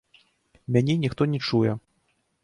Мяне ніхто не чуе.